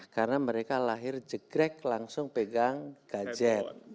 karena mereka lahir jegrek langsung pegang gadget